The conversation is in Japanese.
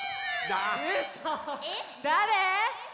だれ？